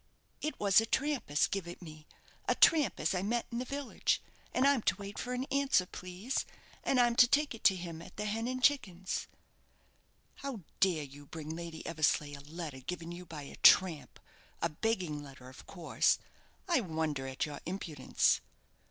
"It was a tramp as give it me a tramp as I met in the village; and I'm to wait for an answer, please, and I'm to take it to him at the 'Hen and Chickens.'" "How dare you bring Lady Eversleigh a letter given you by a tramp a begging letter, of course? I wonder at your impudence."